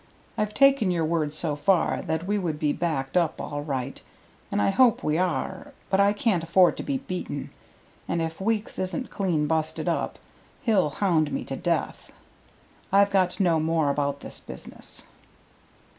I've taken your word so far that we would be backed up all right, and I hope we are. But I can't afford to be beaten, and if Weeks isn't clean busted up, he'll hound me to death. I've got to know more about this business."